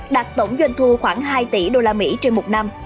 đạt tổng doanh thu khoảng hai tỷ usd trên một năm